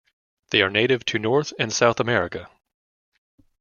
They are native to North and South America.